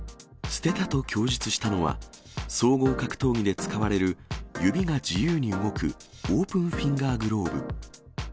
捨てたと供述したのは、総合格闘技で使われる、指が自由に動く、オープンフィンガーグローブ。